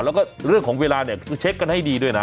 แล้วก็เรื่องของเวลาเนี่ยเช็คกันให้ดีด้วยนะ